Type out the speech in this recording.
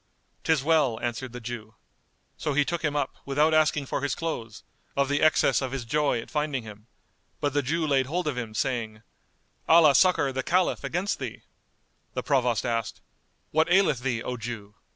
"'Tis well," answered the Jew. So he took him up, without asking for his clothes, of the excess of his joy at finding him; but the Jew laid hold of him, saying, "Allah succour the Caliph against thee!"[FN#201] The Provost asked, "What aileth thee, O Jew?"